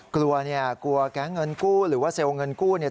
กลัวเนี่ยกลัวแก๊งเงินกู้หรือว่าเซลล์เงินกู้เนี่ย